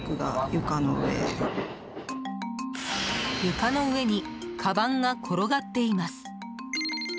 床の上にかばんが転がっています。